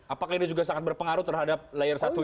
apakah ini juga sangat berpengaruh terhadap layar satunya